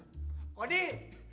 cus kemarin tuh bener